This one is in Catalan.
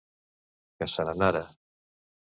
Que se n'anara.